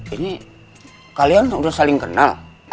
ini kalian harus saling kenal